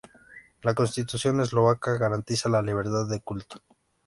La constitución eslovaca garantiza la libertad de culto.